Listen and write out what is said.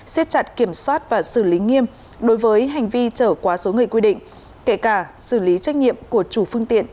xét chặt kiểm soát và xử lý nghiêm đối với hành vi trở quá số người quy định kể cả xử lý trách nhiệm của chủ phương tiện